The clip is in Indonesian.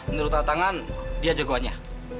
menurut tanda tangan dia jagoannya